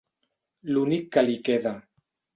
L'únic que li queda.